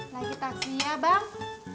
lagi taksi ya bang